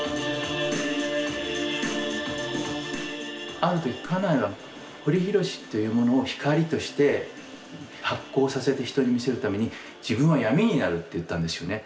ある時家内はホリ・ヒロシというものを光として発光させて人に見せるために自分は闇になるって言ったんですよね。